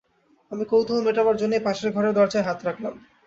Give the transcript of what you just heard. আমি কৌতূহল মেটাবার জন্যেই পাশের ঘরের দরজায় হাত রাখলাম।